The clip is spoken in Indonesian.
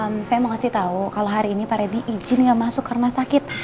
saya mau kasih tahu kalau hari ini pak reddy izin gak masuk ke rumah sakit